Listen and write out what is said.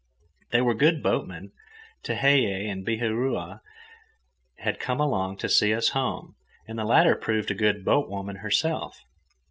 They were good boatmen. Tehei and Bihaura had come along to see us home, and the latter proved a good boatwoman herself.